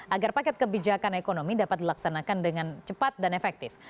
agar paket kebijakan ekonomi dapat dilaksanakan dengan cepat dan efektif